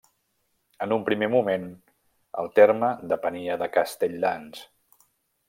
En un primer moment el terme depenia de Castelldans.